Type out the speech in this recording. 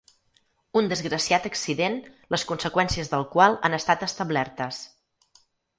Un desgraciat accident les conseqüències del qual han estat establertes.